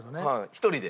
１人で？